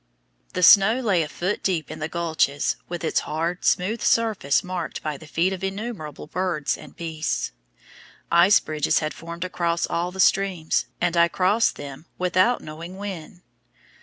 The snow lay a foot deep in the gulches, with its hard, smooth surface marked by the feet of innumerable birds and beasts. Ice bridges had formed across all the streams, and I crossed them without knowing when.